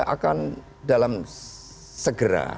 akan dalam segera